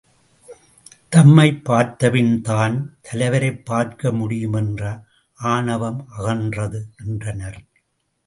தம்மைப் பார்த்தபின் தான் தலைவரைப்பார்க்க முடியும்? என்ற ஆணவம் அகன்றது என்றனர்.